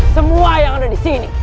semua yang ada disini